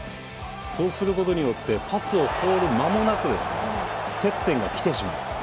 そうすることによってパスを通る間もなく接点がきてしまう。